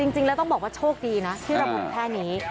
จริงแล้วต้องบอกว่าโชคดีนะที่ระบุแค่นี้